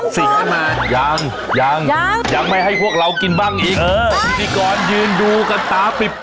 สวัสดีค่ะ